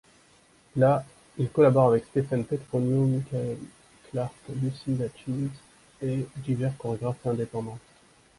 Là, il collabore avec Stephen Petronio, Michael Clark, Lucinda Childs et divers chorégraphes indépendants.